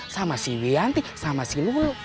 sama si wianti sama si lulu